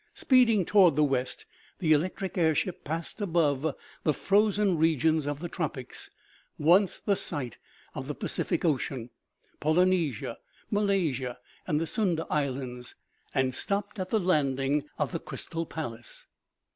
Speeding to ward the west, the elec tric air ship passed above the frozen regions of the tropics, once the site of the Pacific ocean, Poly nesia, Malaisia and the Sunda islands, and stopped at the landing YOU CALLED ME. I HAVE COME," OMEGA. 257 of the crystal palace.